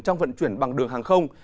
trong vận chuyển bằng đường hàng không